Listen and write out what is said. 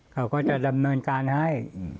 เขาก็จะดำเนินการให้